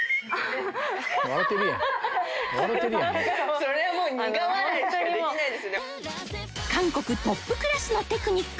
そりゃもう韓国トップクラスのテクニック